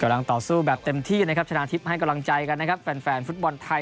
ยังต่อสู้แบบเต็มที่นะครับชนะทิพย์ให้กำลังใจกันนะครับแฟนแฟนฟุตบอลไทย